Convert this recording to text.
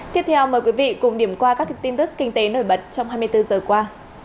tiếp theo mời quý vị cùng điểm qua các tin tức kinh tế nổi bật trong hai mươi bốn giờ qua